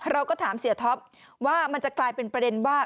เราก็ถามเสียท็อปว่ามันจะกลายเป็นประเด็นว่า